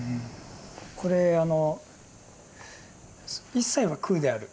これあの一切は空である。